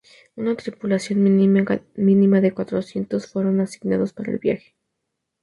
Una tripulación mínima de cuatrocientos fueron asignados para el viaje.